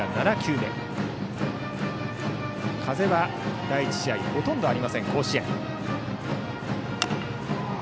風は第１試合ほとんどありません、甲子園。